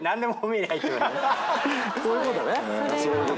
こういうことね。